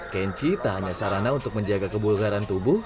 kenchi tak hanya sarana untuk menjaga kebulgaran tubuh